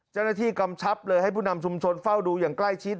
กำชับเลยให้ผู้นำชุมชนเฝ้าดูอย่างใกล้ชิด